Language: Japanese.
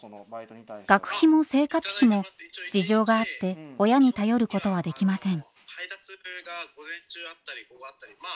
学費も生活費も事情があって親に頼ることはできません。